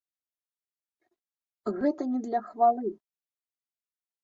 Гэта не для хвалы.